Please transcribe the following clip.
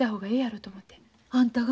あんたが？